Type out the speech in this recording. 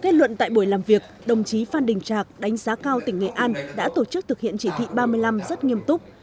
kết luận tại buổi làm việc đồng chí phan đình trạc đánh giá cao tỉnh nghệ an đã tổ chức thực hiện chỉ thị ba mươi năm rất nghiêm túc